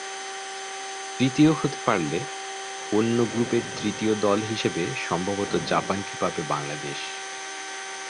তৃতীয় হতে পারলে অন্য গ্রুপের তৃতীয় দল হিসেবে সম্ভবত জাপানকে পাবে বাংলাদেশ।